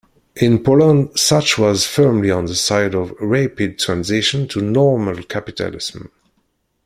In Poland, Sachs was firmly on the side of rapid transition to "normal" capitalism.